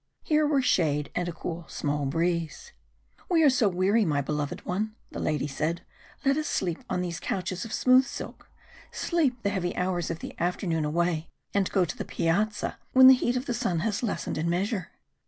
Here were shade and a cool small breeze. "We are so weary, my beloved one," the lady said. "Let us sleep on these couches of smooth silk, sleep the heavy hours of the afternoon away, and go to the Piazza when the heat of the sun has lessened in measure."